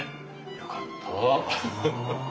よかった。